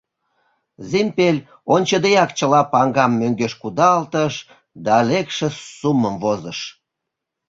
Зимпель ончыдеак чыла паҥгам мӧҥгеш кудалтыш да лекше суммым возыш.